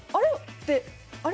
ってあれ？